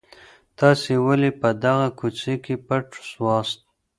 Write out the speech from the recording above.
تاسي ولي په دغه کوڅې کي پټ سواست؟